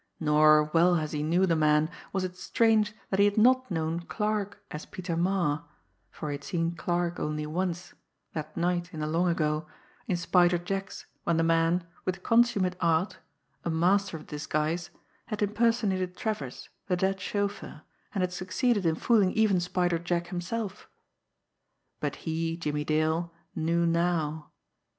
Nor, well as he knew the man, was it strange that he had not known Clarke as Peter Marre, for he had seen Clarke only once that night in the long ago, in Spider Jack's when the man, with consummate art, a master of disguise, had impersonated Travers, the dead chauffeur, and had succeeded in fooling even Spider Jack himself. But he, Jimmie Dale, knew now.